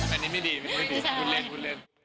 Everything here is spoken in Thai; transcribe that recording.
อันนี้ไม่ดีคุณเล่น